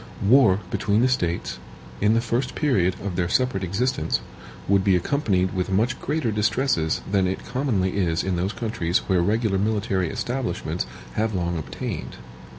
War between the States, in the first period of their separate existence, would be accompanied with much greater distresses than it commonly is in those countries where regular military establishments have long obtained.